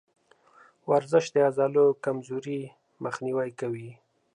ورزش د عضلو کمزوري مخنیوی کوي.